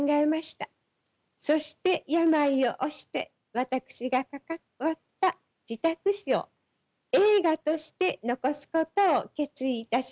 そして病を押して私が関わった自宅死を映画として残すことを決意いたしました。